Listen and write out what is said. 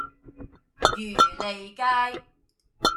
漁利街